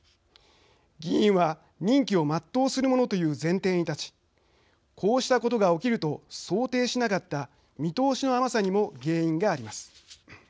議員は任期を全うするものという前提に立ちこうしたことが起きると想定しなかった見通しの甘さにも原因があります。